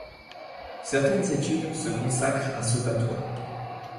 Certaines études se consacrent à ce patois.